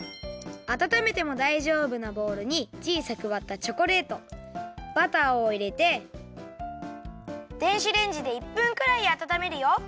あたためてもだいじょうぶなボウルにちいさくわったチョコレートバターをいれて電子レンジで１分くらいあたためるよ。